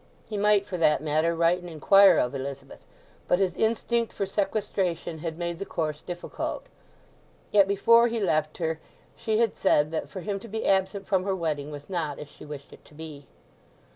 He might, for that matter, write and inquire of Elizabeth; but his instinct for sequestration had made the course difficult. Yet before he left her she had said that for him to be absent from her wedding was not as she wished it to be.